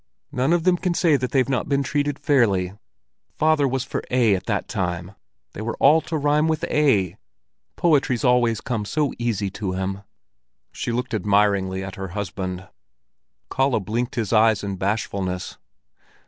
None of them can say they've not been treated fairly. Father was all for A at that time; they were all to rhyme with A. Poetry's always come so easy to him." She looked admiringly at her husband. Kalle blinked his eyes in bashfulness.